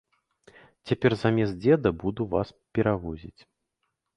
Цяпер замест дзеда буду вас перавозіць.